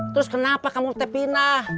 terus kenapa kamu minta pindah